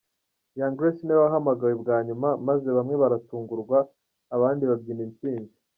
Young Grace niwe wahamagawe bwa nyuma, maze bamwe baratungurwa abandi babyina intsinzi.